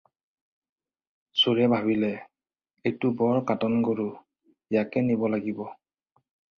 চোৰে ভাবিলে, এইটো বৰ কাটন গৰু, ইয়াকে নিব লাগিব।